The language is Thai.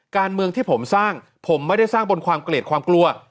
การเมืองที่ผมสร้างผมไม่ได้สร้างบนความเกลียดความกลัว